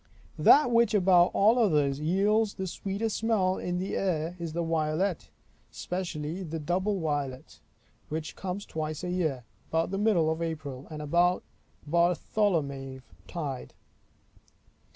That which above all others yields the sweetest smell in the air is the violet, specially the white double violet, which comes twice a year; about the middle of April, and about Bartholomew tide.